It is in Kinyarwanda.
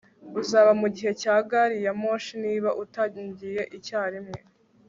uzaba mugihe cya gari ya moshi niba utangiye icyarimwe